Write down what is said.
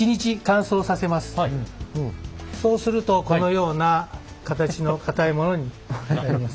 そうするとこのような形の固いものになります。